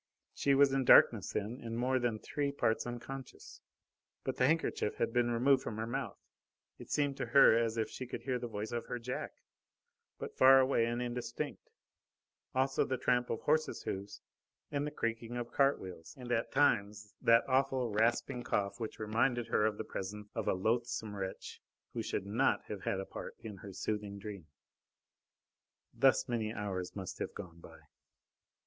She was in darkness then, and more than three parts unconscious, but the handkerchief had been removed from her mouth. It seemed to her as if she could hear the voice of her Jack, but far away and indistinct; also the tramp of horses' hoofs and the creaking of cart wheels, and at times that awful, rasping cough, which reminded her of the presence of a loathsome wretch, who should not have had a part in her soothing dream. Thus many hours must have gone by.